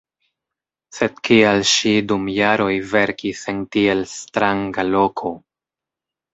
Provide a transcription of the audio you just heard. Sed kial ŝi dum jaroj verkis en tiel stranga loko?